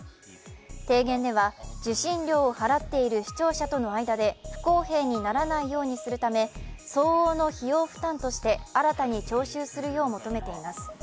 提言では、受信料を払っている視聴者との間で不公平にならないようにするため相応の費用負担として新たに徴収するよう求めています。